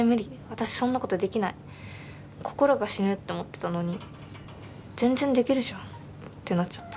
私そんなことできない心が死ぬって思ってたのに全然できるじゃんってなっちゃった。